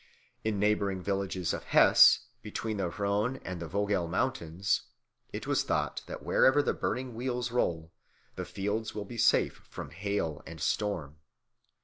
In neighbouring villages of Hesse, between the Rhön and the Vogel Mountains, it is thought that wherever the burning wheels roll, the fields will be safe from hail and strom.